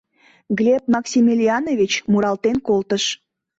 Глеб Максимилианович муралтен колтыш: